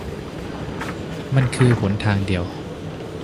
มันคือหนทางเดียว